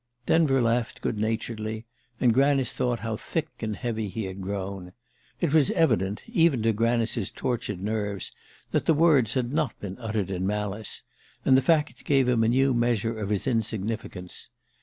'" Denver laughed good naturedly, and Granice thought how thick and heavy he had grown. It was evident, even to Granice's tortured nerves, that the words had not been uttered in malice and the fact gave him a new measure of his insignificance.